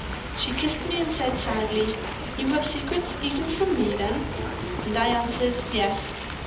"She kissed me, and said, sadly: "'You have secrets even from me, then?' "And I answered: "'Yes.'